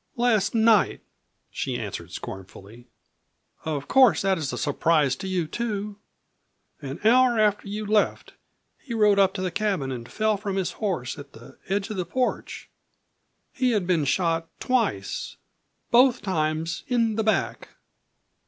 "Last night," she answered scornfully. "Of course that is a surprise to you too. An hour after you left he rode up to the cabin and fell from his horse at the edge of the porch. He had been shot twice both times in the back."